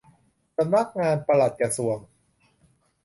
สำนักงานปลัดกระทรวง